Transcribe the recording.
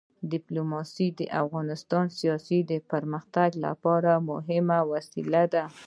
ډیپلوماسي د اقتصادي سیاست د پرمختګ لپاره مهمه وسیله ده.